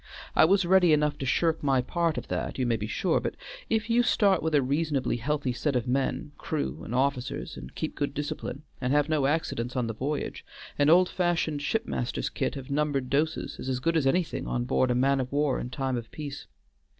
I was ready enough to shirk my part of that, you may be sure, but if you start with a reasonably healthy set of men, crew and officers, and keep good discipline, and have no accidents on the voyage, an old fashioned ship master's kit of numbered doses is as good as anything on board a man of war in time of peace.